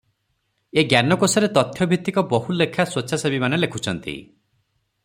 ଏ ଜ୍ଞାନକୋଷରେ ତଥ୍ୟଭିତ୍ତିକ ବହୁ ଲେଖା ସ୍ୱେଚ୍ଛାସେବୀମାନେ ଲେଖୁଛନ୍ତି ।